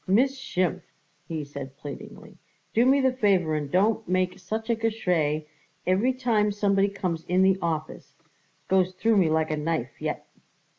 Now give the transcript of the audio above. "Miss Schimpf," he said pleadingly, "do me the favour and don't make such a Geschrei every time somebody comes in the office. Goes through me like a knife yet."